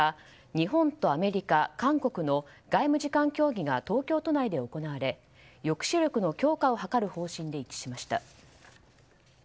日本とアメリカ、韓国の外務次官協議が東京都内で行われ抑止力の強化を図る方針で一致しました。